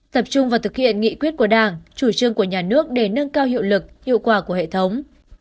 tập trung vào thực hiện nghị quyết của đảng chủ trương của nhà nước để nâng cao hiệu lực hiệu quả của hệ thống